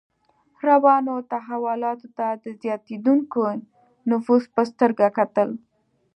روانو تحولاتو ته د زیاتېدونکي نفوذ په سترګه کتل.